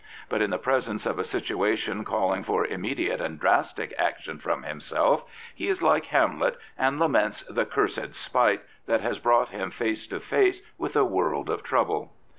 But in the presence of a situation calling for immediate and drastic action from himself, he is like Hamlet, and laments the "cursed spite" that has brought him face to face with a world of trouble.